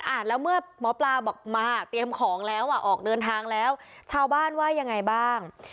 แล้วเมื่อหมอปลาบอกมาเตรียมของแล้วอ่ะออกเดินทางแล้วชาวบ้านว่ายังไงบ้าง